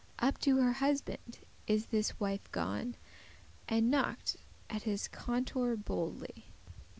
Up to her husband is this wife gone, And knocked at his contour boldely.